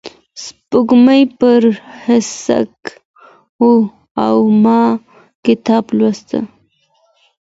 سپوږمۍ پر هسک وه او ما کتاب لوست.